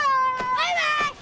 バイバーイ！